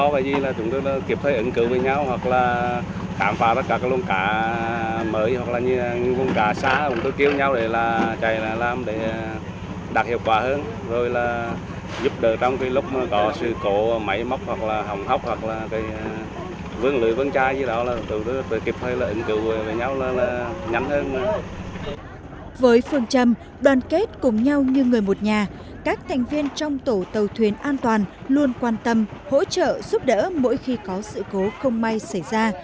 với phương trâm đoàn kết cùng nhau như người một nhà các thành viên trong tổ tàu thuyền an toàn luôn quan tâm hỗ trợ giúp đỡ mỗi khi có sự cố không may xảy ra